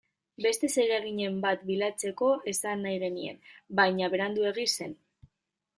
Beste zereginen bat bilatzeko esan nahi genien, baina Beranduegi zen.